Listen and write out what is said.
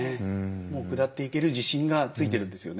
もう下っていける自信がついてるんですよね。